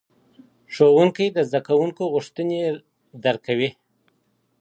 ښوونکی د زدهکوونکو غوښتنې درک کوي.